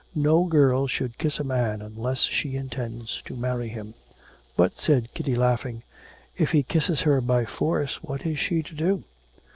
No girl should kiss a man unless she intends to marry him.' 'But,' said Kitty, laughing, 'if he kisses her by force what is she to do?'